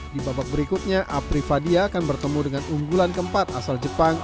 dua puluh satu empat belas di babak berikutnya apri fadia akan bertemu dengan unggulan keempat asal jepang